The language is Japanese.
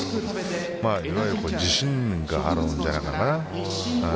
いわゆる自信があるんじゃないかな。